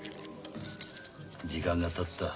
時間がたった。